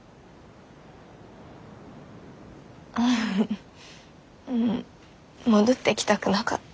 フフフ戻ってきたくなかった。